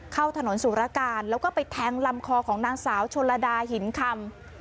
เข้าถนนสุรการแล้วก็ไปแทงลำคอของนางสาวชนลดาหินคำ